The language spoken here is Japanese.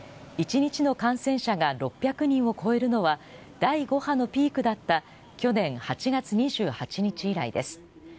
１日の感染者が６００人を超えるのは第５波のピークだった去年８月２８日以来です。